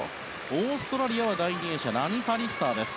オーストラリアは第２泳者、ラニ・パリスター。